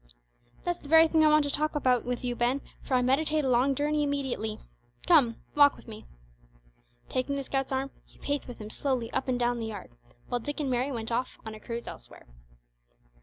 "That's the very thing I want to talk about with you, Ben, for I meditate a long journey immediately. Come, walk with me." Taking the scout's arm he paced with him slowly up and down the yard, while Dick and Mary went off on a cruise elsewhere.